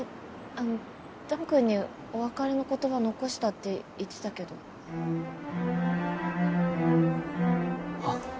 あの弾君にお別れの言葉残したって言ってたけどはっ？